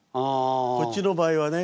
こっちの場合はね